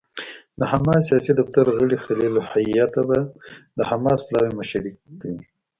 د حماس سیاسي دفتر غړی خلیل الحية به د حماس پلاوي مشري کوي.